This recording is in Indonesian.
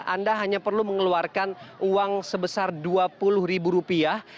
anda hanya perlu mengeluarkan uang sebesar dua puluh ribu rupiah